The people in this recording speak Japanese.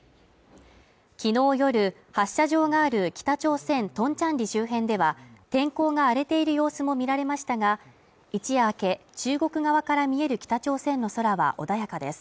きのう夜、発射場がある北朝鮮トンチャンリ周辺では、天候が荒れている様子も見られましたが、一夜明け、中国側から見える北朝鮮の空は穏やかです。